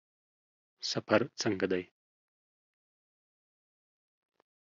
سفر څنګه دی؟